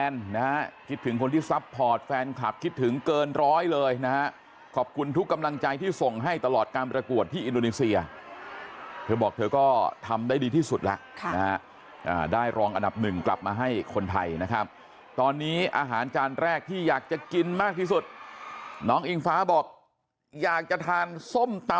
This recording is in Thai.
มากมากมากมากมากมากมากมากมากมากมากมากมากมากมากมากมากมากมากมากมากมากมากมากมากมากมากมากมากมากมากมากมากมากมากมากมากมากมากมากมากมากมากมากมา